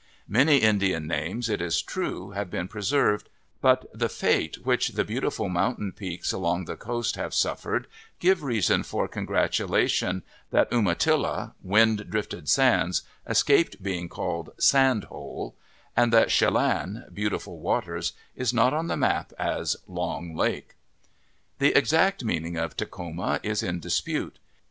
Many Indian names, it is true, have been preserved, but the fate which the beautiful mountain peaks along the coast have suffered give reason for congratulation that Umatilla, "Wind drifted Sands," escaped being called " Sand Hole," and that Chelan, " Beautiful Waters," is not on the map as " Long Lake." The exact meaning of "Takhoma " is in dispute.